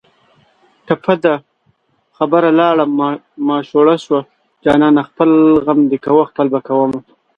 ټپه ده: خبره لاړه ماشوړه شوه جانانه خپل غم دې کوه خپل به کومه